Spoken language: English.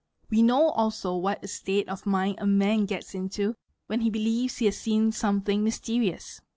We know also what a state of Monind a man gets into when he believes he has seen something mysterious.